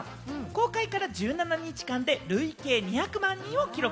公開から１７日間で累計２００万人を記録。